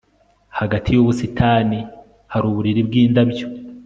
Hagati yubusitani hari uburiri bwindabyo